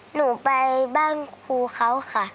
หนูไปบ้านครูเขาค่ะ